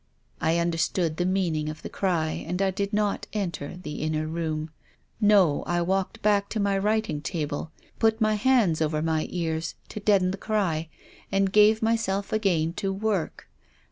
" I understood the meaning of the cry, and I did not enter the inner room. No, I walked back to my writing table, put my hands over my ears — to deaden the cry — and gave myself again to work.